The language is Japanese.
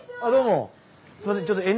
すいません